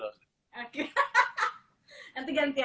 mas susah banget